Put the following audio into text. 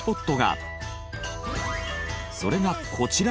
それがこちら！